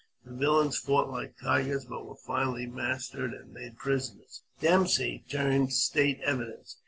The villains fought like tigers, but were finally mastered and made prisoners. Dempsey turned state's evidence.